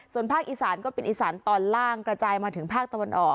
ส่วนภาคอีสานก็เป็นอีสานตอนล่างกระจายมาถึงภาคตะวันออก